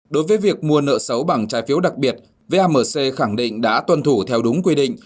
đối với việc mua nợ xấu bằng trái phiếu đặc biệt vamc khẳng định đã tuân thủ theo đúng quy định